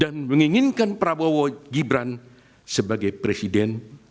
dan menginginkan prabowo gibran sebagai presiden